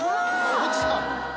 「落ちた」